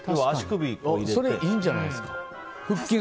それ、いいんじゃないですか。